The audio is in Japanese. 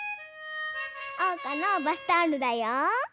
おうかのバスタオルだよ。